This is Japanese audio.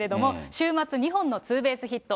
週末、２本のツーベースヒット。